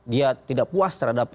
dia tidak puas terhadap